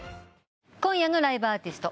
今夜のライブアーティスト。